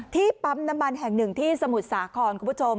ปั๊มน้ำมันแห่งหนึ่งที่สมุทรสาครคุณผู้ชม